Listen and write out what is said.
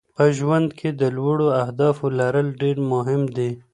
په ژوند کې د لوړو اهدافو لرل ډېر مهم دي.